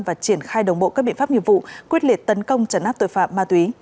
và triển khai đồng bộ các biện pháp nghiệp vụ quyết liệt tấn công trấn áp tội phạm ma túy